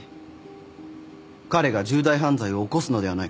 彼が重大犯罪を起こすのではないかと。